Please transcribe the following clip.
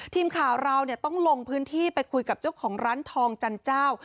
ทีมข่าวเราต้องลงพื้นที่ไปคุยกับเจ้าของร้านทองจันเจ้า